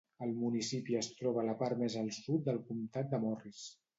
El municipi es troba a la part més al sud del comtat de Morris.